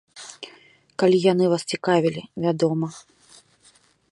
Калі яны вас цікавілі, вядома.